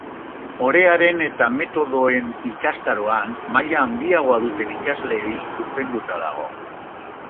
Orearen eta metodoen ikastaroan maila handiagoa duten ikasleei zuzenduta dago.